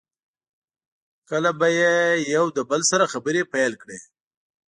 کله به یې یو له بل سره خبرې پیل کړې.